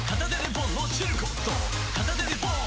片手でポン！